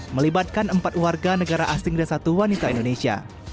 melibatkan empat warga negara asing dan satu wanita indonesia